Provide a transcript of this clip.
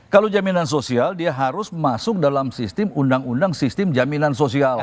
kalau jaminan sosial dia harus masuk dalam sistem undang undang sistem jaminan sosial